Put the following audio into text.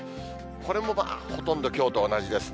これもまあ、ほとんどきょうと同じですね。